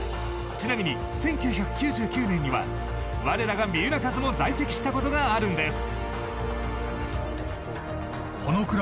ちなみに１９９９年には我らが三浦カズも在籍したことがあるんです。